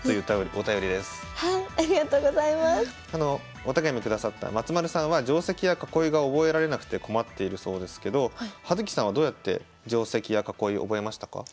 お手紙下さった松丸さんは定跡や囲いが覚えられなくて困っているそうですけど葉月さんはどうやって定跡や囲いを覚えましたか？